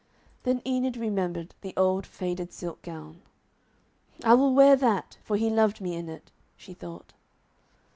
Then Enid remembered the old faded silk gown. 'I will wear that, for he loved me in it,' she thought.